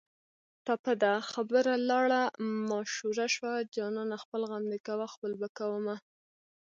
ټپه ده: خبره لاړه ماشوړه شوه جانانه خپل غم دې کوه خپل به کومه